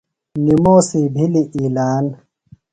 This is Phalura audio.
نِموسی بِھلیۡ اعلان